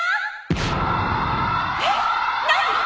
えっ何！？